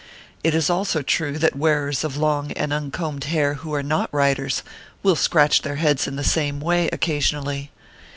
It is also true that wearers of long and uncombed hair who are not writers, will scratch their heads in the same way, occasionally.